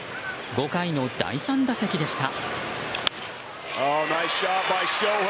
５回の第３打席でした。